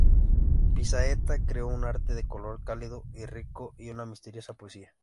Piazzetta creó un arte de color cálido y rico y una misteriosa poesía.